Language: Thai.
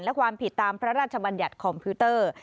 และความผิดตามพระราชบัญญัติคอมพิวเตอร์